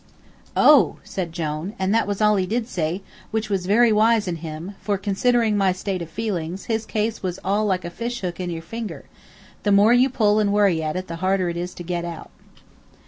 "Oh!" said Jone, and that was all he did say, which was very wise in him, for, considering my state of feelings, his case was like a fish hook in your finger the more you pull and worry at it the harder it is to get out.